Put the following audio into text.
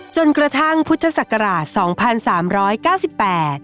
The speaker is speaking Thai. จนกระทั่งพุทธศักราช๒๓๙๘